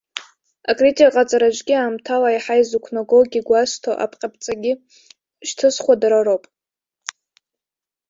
Акритика ҟаҵараҿгьы, аамҭала еиҳа изықәнагогьы гәазҭо, аԥҟьаԥцагьы шьҭызхуа дара роуп.